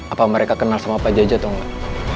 apa mereka kenal sama pak jojo atau enggak